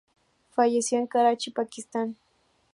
Falleció en Karachi, Pakistán.